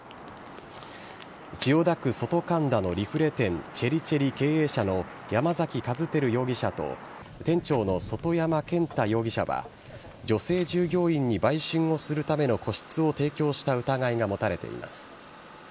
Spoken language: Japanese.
千代田区外神田のリフレ店、チェリチェリ経営者の山崎一輝容疑者と、店長の外山健太容疑者は、女性従業員に売春をするための個室を提供した疑いが持たれています。